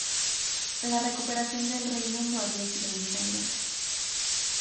La recuperación del reino no había sido muy sangrienta.